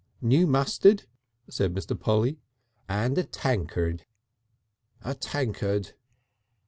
"New mustard," said Mr. Polly. "And a tankard!" "A tankard."